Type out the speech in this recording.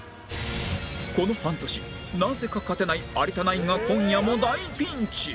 この半年なぜか勝てない有田ナインが今夜も大ピンチ！